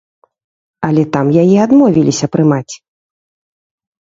Але там яе адмовіліся прымаць!